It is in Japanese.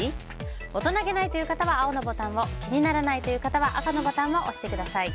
大人げないという方は青のボタンを気にならないという方は赤のボタンを押してください。